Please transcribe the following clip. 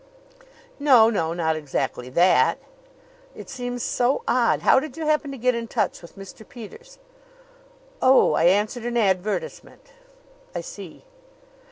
"No, no not exactly that." "It seems so odd. How did you happen to get in touch with Mr. Peters?" "Oh, I answered an advertisement." "I see."